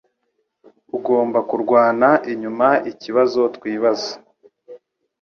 Ugomba kurwana inyuma ikibazo twibaza